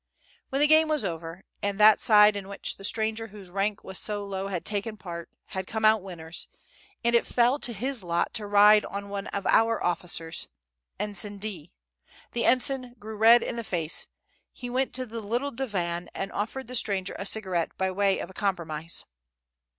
When the game was over, and that side in which the stranger whose rank was so low had taken part, had come out winners, and it fell to his lot to ride on one of our officers, Ensign D., the ensign grew red in the face: he went to the little divan and offered the stranger a cigarette by way of a compromise.